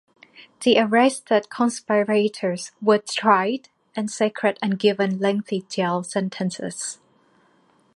The arrested conspirators were tried in secret and given lengthy jail sentences.